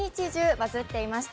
バズっていました。